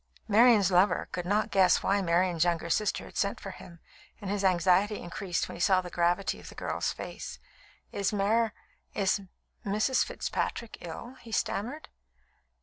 Marian's lover could not guess why Marian's younger sister had sent for him, and his anxiety increased when he saw the gravity of the girl's face. "Is Mar is Mrs. Fitzpatrick ill?" he stammered.